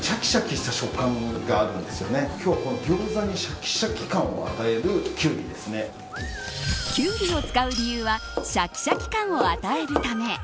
今日はギョーザにシャキシャキ感を与えるキュウリを使う理由はシャキシャキ感を与えるため。